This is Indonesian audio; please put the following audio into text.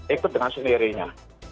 ikut dengan sendirinya